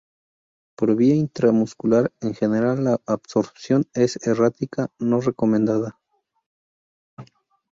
Por vía intramuscular, en general la absorción es errática, no recomendada.